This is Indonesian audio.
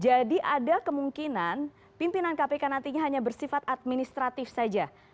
jadi ada kemungkinan pimpinan kpk nantinya hanya bersifat administratif saja